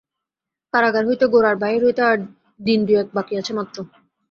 কারাগার হইতে গোরার বাহির হইতে আর দিন দুয়েক বাকি আছে মাত্র।